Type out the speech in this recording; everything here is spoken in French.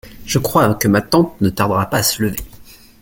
Je crois que ma tante ne tardera pas à se lever.